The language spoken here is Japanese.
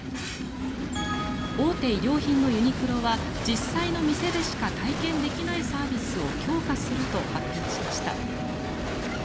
大手衣料品のユニクロは実際の店でしか体験できないサービスを強化すると発表しました。